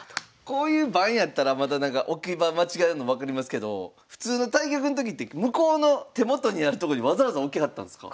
こういう盤やったらまだなんか置き場間違えるの分かりますけど普通の対局のときって向こうの手元にあるとこにわざわざ置きはったんですか？